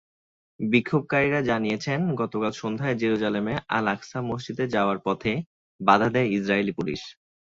বিক্ষোভকারীরা জানিয়েছেন, গতকাল সন্ধ্যায় জেরুজালেমে আল-আকসা মসজিদে যাওয়ার পথে বাধা দেয় ইসরায়েলি পুলিশ।